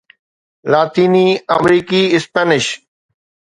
لاطيني آمريڪي اسپينش